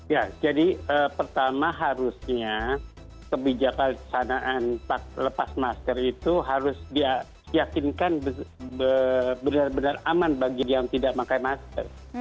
ya jadi pertama harusnya kebijakan lepas masker itu harus diyakinkan benar benar aman bagi yang tidak pakai masker